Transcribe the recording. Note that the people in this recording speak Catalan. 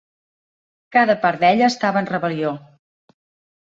Cada part d'ella estava en rebel·lió.